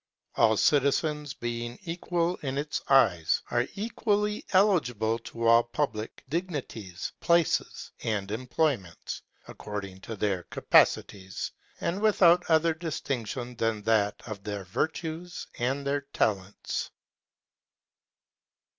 All citizens being equal in its eyes, are equally eligible to all public dignities, places, and employments, according to their capacities, and without other distinction than that of their virtues and their talents.